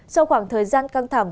sau khoảng thời gian căng thẳng